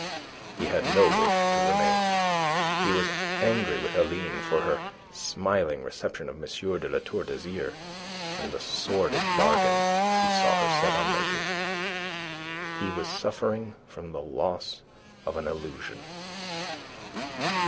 He had no wish to remain. He was angry with Aline for her smiling reception of M. de La Tour d'Azyr and the sordid bargain he saw her set on making. He was suffering from the loss of an illusion.